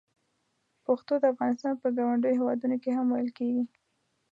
پښتو د افغانستان په ګاونډیو هېوادونو کې هم ویل کېږي.